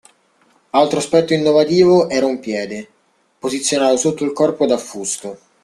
Altro aspetto innovativo era un piede, posizionato sotto il corpo d'affusto.